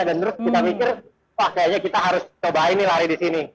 dan terus kita mikir wah kayaknya kita harus cobain nih lari di sini